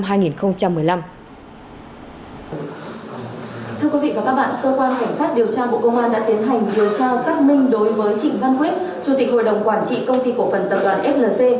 thưa quý vị và các bạn cơ quan cảnh sát điều tra bộ công an đã tiến hành điều tra xác minh đối với trịnh văn quyết chủ tịch hội đồng quản trị công ty cổ phần tập đoàn flc